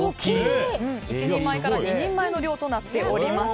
１人前から２人前の量となっております。